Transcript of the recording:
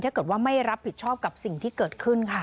ถ้าเกิดว่าไม่รับผิดชอบกับสิ่งที่เกิดขึ้นค่ะ